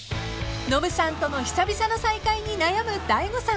［ノブさんとの久々の再会に悩む大悟さん］